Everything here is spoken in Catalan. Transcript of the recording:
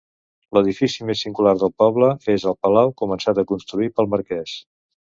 L'edifici més singular del poble és el palau, començat a construir pel marqués.